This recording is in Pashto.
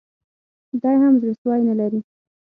دی هم زړه سوی نه لري